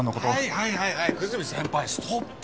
はいはいはいはい久住先輩ストップ！